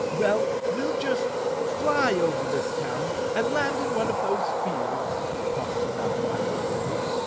"Well, we'll just fly over this town and land in one of those fields," puffed Notta uneasily.